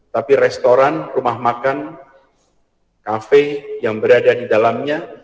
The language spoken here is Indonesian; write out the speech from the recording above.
tapi restoran rumah makan kafe yang berada di dalamnya